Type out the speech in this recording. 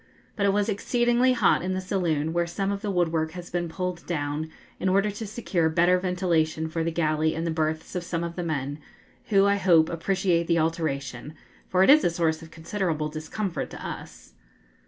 But it was exceedingly hot in the saloon, where some of the woodwork has been pulled down, in order to secure better ventilation for the galley and the berths of some of the men, who, I hope, appreciate the alteration, for it is a source of considerable discomfort to us.